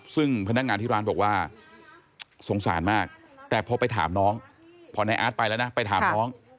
ซึ่งพนักงานที่ร้านบอกว่าสงสารมากแต่พอไปถามน้องพอนายอาร์ตไปแล้วนะไปถามน้อง